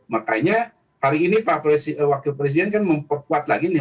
makanya hari ini pak wakil presiden kan memperkuat lagi nih